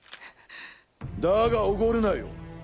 だがおごるなよ。